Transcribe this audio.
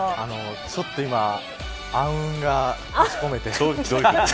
ちょっと今暗雲が立ち込めて。